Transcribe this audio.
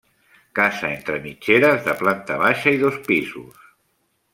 Casa entra mitgeres de planta baixa i dos pisos.